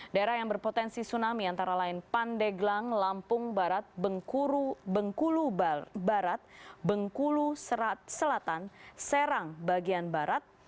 daerah yang berpotensi tsunami antara lain pandeglang lampung barat bengkulu barat bengkulu selatan serang bagian barat